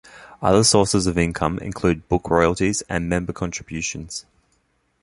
Other sources of income include book royalties and member contributions.